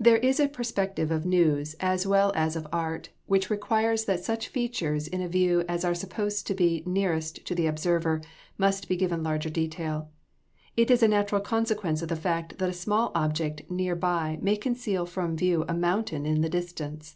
There is a perspective of news as well as of art, which requires that such features in a view as are supposed to be nearest to the observer must be given larger detail. It is a natural consequence of the fact that a small object near by may conceal from view a mountain in the distance.